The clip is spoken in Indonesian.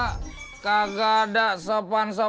kagak ada sopan sopan